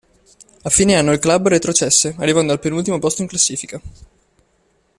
A fine anno il club retrocesse, arrivando al penultimo posto in classifica.